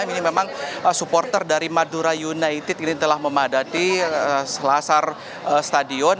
ini memang supporter dari madura united ini telah memadati selasar stadion